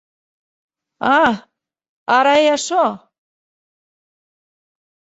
A!, ara hè açò?